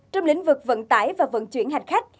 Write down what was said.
trong lĩnh vực vận tải và vận chuyển hành khách